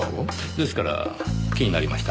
ですから気になりました。